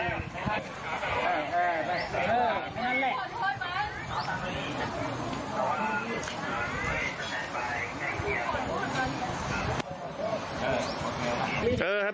ขอโทษครับ